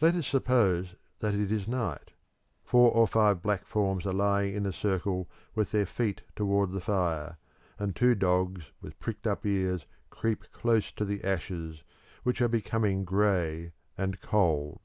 Let us suppose that it is night; four or five black forms are lying in a circle with their feet toward the fire, and two dogs with pricked up ears creep close to the ashes which are becoming grey and cold.